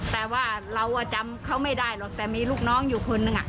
แต่ว่าเราจำเขาไม่ได้หรอกแต่มีลูกน้องอยู่คนนึง